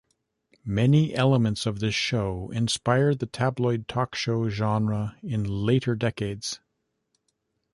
Many elements of this show inspired the tabloid talk show genre in later decades.